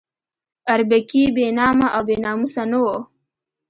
اربکی بې نامه او بې ناموسه نه وو.